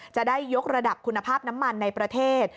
จะได้ยกระดับคุณภาพน้ำมันในประเทศ